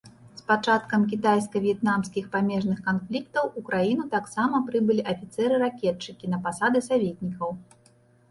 З пачаткам кітайска-в'етнамскіх памежных канфліктаў у краіну таксама прыбылі афіцэры-ракетчыкі на пасады саветнікаў.